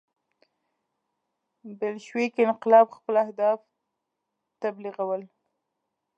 بلشویک انقلاب خپل اهداف تبلیغول.